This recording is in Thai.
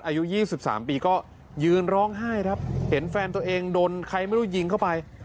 อายุ๒๓ปีก็ยืนร้องไห้ครับเห็นแฟนตัวเองโดนใครไม่รู้ยิงเข้าไป